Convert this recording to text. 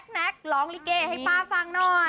แก๊กร้องลิเกให้ป้าฟังหน่อย